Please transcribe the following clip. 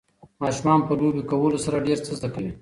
ماشومان په لوبې کولو سره ډېر څه زده کوي.